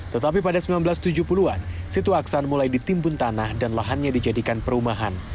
tetapi pada seribu sembilan ratus tujuh puluh an situ aksan mulai ditimbun tanah dan lahannya dijadikan perumahan